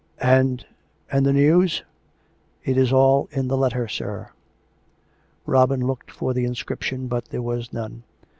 " And ... and the news ?"" It is all in the letter, sir." Robin looked for the inscription, but there was none.